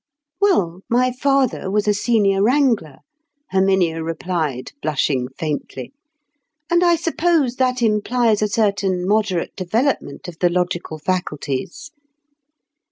"Well, my father was a Senior Wrangler," Herminia replied, blushing faintly; "and I suppose that implies a certain moderate development of the logical faculties.